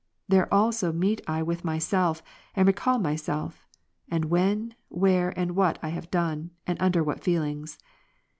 There also meet I with myself, and recall myself, and when, where, and what I have done, and under what feelings.